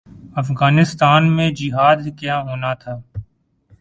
افغانستان میں جہاد کیا ہونا تھا۔